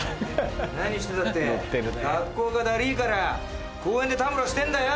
何してたって学校がダリぃから公園でたむろしてんだよ！